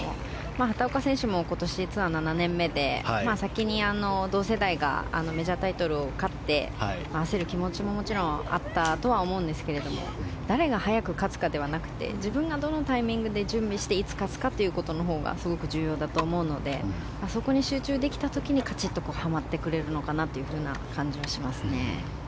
畑岡選手も今年ツアー７年目で先に同世代がメジャータイトルを勝って焦る気持ちももちろんあったと思うんですけども誰が早く勝つかではなくて自分がどのタイミングで準備していつ勝つかということのほうが重要だと思うのでそこに集中できた時に、かちっとはまってくれるのかなという感じがしますね。